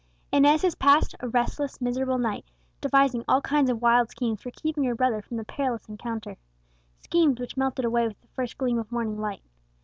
Inez has passed a restless, miserable night, devising all kinds of wild schemes for keeping her brother from the perilous encounter; schemes which melted away with the first gleam of morning light.